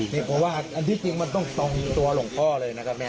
เพราะว่าอันที่จริงมันต้องตรงตัวหลวงพ่อเลยนะครับแม่